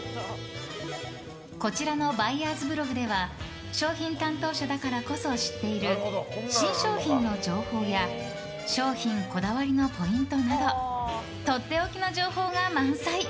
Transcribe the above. こちらのバイヤーズブログでは商品担当者だからこそ知っている新商品の情報や商品こだわりのポイントなどとっておきの情報が満載。